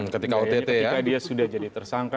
ketika dia sudah jadi tersangka